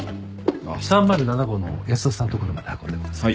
３０７号の安田さんのところまで運んでください。